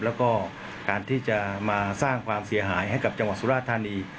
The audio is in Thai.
แล้วก็การที่จะมาสร้างความเสียหายให้กับจังหวัดสุราธานี